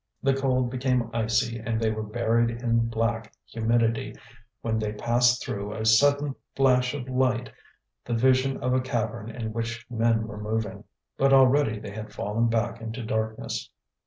The cold became icy and they were buried in black humidity, when they passed through a sudden flash of light, the vision of a cavern in which men were moving. But already they had fallen back into darkness.